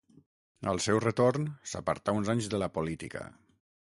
Al seu retorn, s'apartà uns anys de la política.